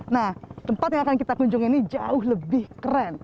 nah tempat yang akan kita kunjungi ini jauh lebih keren